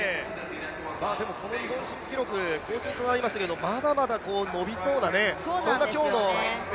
でも、この日本新記録、更新となりましたけど、まだまだ伸びそうなそんな今日のレースでした。